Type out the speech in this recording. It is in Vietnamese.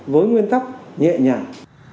với nguyên tắc nhẹ nhàng